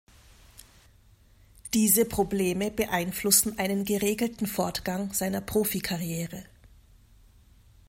Diese Probleme beeinflussen einen geregelten Fortgang seiner Profikarriere.